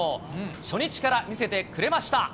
初日から見せてくれました。